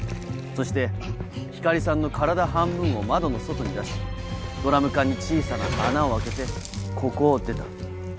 そして光莉さんの体半分を窓の外に出しドラム缶に小さな穴を開けてここを出た。